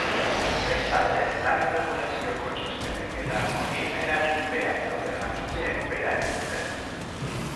Bestalde, lan erregulazioko txostenek eta horien eraginpean dauden langileek behera egin dute.